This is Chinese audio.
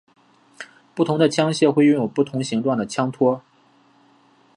不同的枪械会拥有不同形状的枪托。